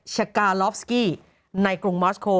ชะกาลอฟสกี้ในกรุงมอสโค